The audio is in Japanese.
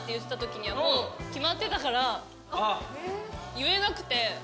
言えなくて。